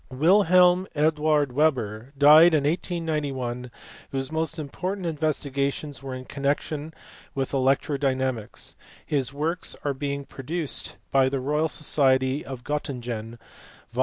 Wit helm Eduard Weber, died in 1891, whose most import ant investigations were in connexion with electrodynamics : his works are being produced by the Royal Society of Gottingen, vol.